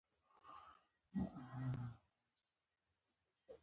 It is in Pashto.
په دې برخه کې یوه هڅه کېږي.